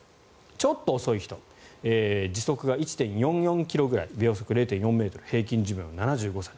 ちょっと遅い人時速が４．４４ｋｍぐらい平均寿命が７５歳。